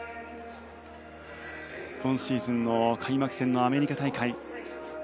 今シーズンの開幕戦のアメリカ大会。